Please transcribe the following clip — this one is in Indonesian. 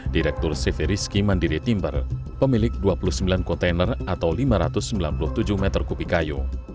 direktur cv rizky mandiri timber pemilik dua puluh sembilan kontainer atau lima ratus sembilan puluh tujuh meter kubik kayu